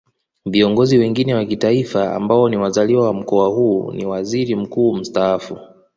Viongozi wengine wa Kitaifa ambao ni wazaliwa wa Mkoa huu ni Waziri Mkuu Mstaafu